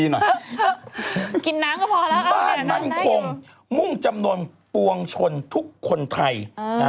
กินน้ำก็พอแล้วอ้าวเดี๋ยวน้ำได้อยู่บ้านมันคงมุ่งจำนงปวงชนทุกคนไทย